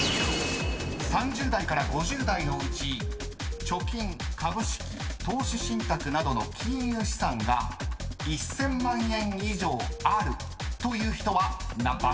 ［３０代から５０代のうち貯金株式投資信託などの金融資産が１，０００万円以上あるという人は何％？］